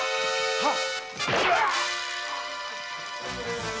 はっ！